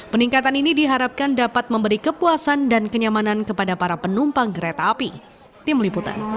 peningkatan ini diharapkan dapat memberi kepuasan dan kenyamanan kepada para penumpang kereta api